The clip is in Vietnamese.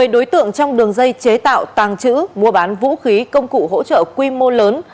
một mươi đối tượng trong đường dây chế tạo tàng trữ mua bán vũ khí công cụ hỗ trợ quy mô lớn